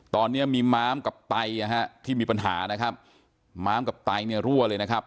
ตอนนี้มีม้ามกับไตนะฮะที่มีปัญหานะครับม้ามกับไตเนี่ยรั่วเลยนะครับ